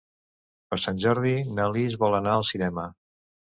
Per Sant Jordi na Lis vol anar al cinema.